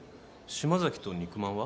島崎と肉まんは？